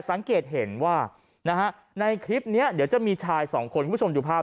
สังเกตเห็นว่าในคลิปนี้เดี๋ยวจะมีชาย๒คนคุณชมอยู่ภาพ